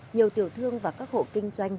nhiều tiểu thương và các hộ kinh doanh